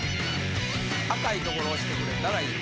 赤い所を押してくれたらいい。